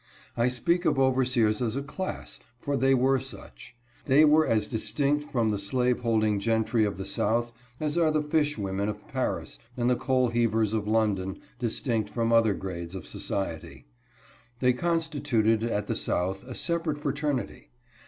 I speak of overseers as a class, for they were such. They were as distinct from the slaveholding gentry of the South as are the fish women of Paris and the coal heavers of London distinct from other grades of society. They constituted, at the South, a separate fraternity.